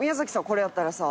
これやったらさ。